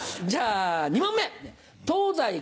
じゃ２問目東西